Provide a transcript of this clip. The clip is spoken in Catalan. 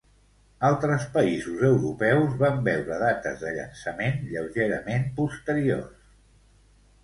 Altres països europeus van veure dates de llançament lleugerament posteriors.